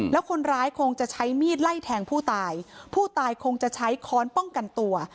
แล้วคนร้ายคงจะใช้มีดไล่แทงผู้ตายผู้ตายคงจะใช้ค้อนป้องกันตัว